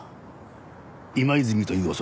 今泉という男